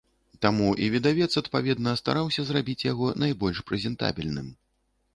Таму і выдавец адпаведна стараўся зрабіць яго найбольш прэзентабельным.